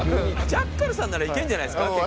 ジャッカルさんならいけるんじゃないですか結構。